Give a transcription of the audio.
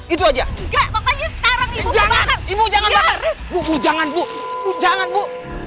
itu aja enggak pokoknya sekarang jangan ibu jangan bu jangan bu jangan bu